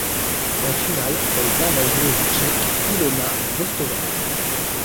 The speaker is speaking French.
En finale, elle bat la joueuse tchèque Ilona Vostová.